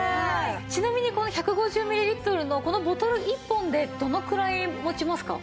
ちなみにこの１５０ミリリットルのこのボトル１本でどのくらい持ちますか？